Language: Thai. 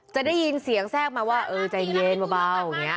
จะได้ยินเสียงแทรกมาว่าเออใจเย็นเบา